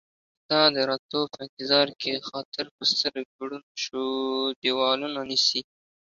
ستا د راتلو په انتظار کې خاطر ، په سترګو ړوند شو ديوالونه نيسي